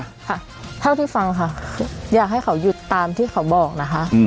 ค่ะเท่าที่ฟังค่ะอยากให้เขาหยุดตามที่เขาบอกนะคะ